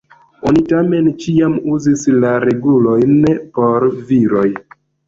Oni tamen ĉiam uzis la regulojn por viroj.